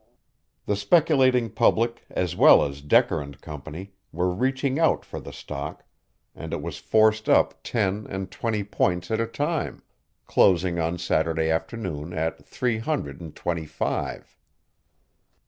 The speculating public as well as Decker and Company were reaching out for the stock, and it was forced up ten and twenty points at a time, closing on Saturday afternoon at three hundred and twenty five.